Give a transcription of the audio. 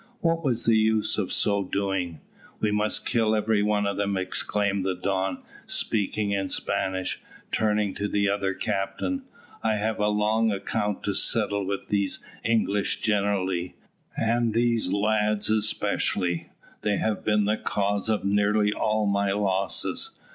What was the use of so doing? "We must kill every one of them," exclaimed the Don, speaking in Spanish, turning to the other captain. "I have a long account to settle with these English generally, and these lads especially. They have been the cause of nearly all my losses.